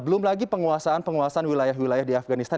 belum lagi penguasaan penguasaan wilayah wilayah di afganistan